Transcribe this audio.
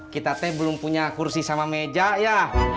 kita teh belum punya kursi sama meja ya